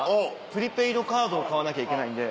プリペイドカードを買わなきゃいけないんで。